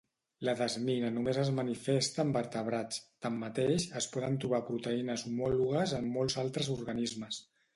La desmina només es manifesta en vertebrats, tanmateix, es poden trobar proteïnes homòlogues en molts altres organismes.